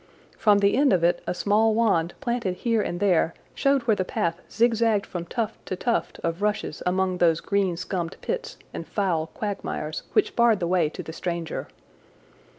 From the end of it a small wand planted here and there showed where the path zigzagged from tuft to tuft of rushes among those green scummed pits and foul quagmires which barred the way to the stranger.